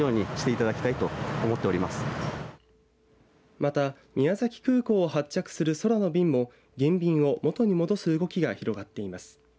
また宮崎空港を発着する空の便も減便を元に戻す動きが広がっています。